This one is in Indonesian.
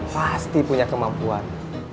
pasti punya kemampuan